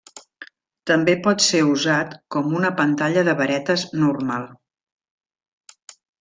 També pot ser usat com una pantalla de varetes normal.